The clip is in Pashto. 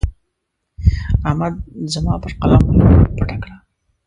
احمد زما پر قلم خوله پټه کړه.